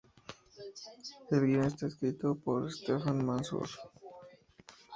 El guion está escrito por Stephen Mazur.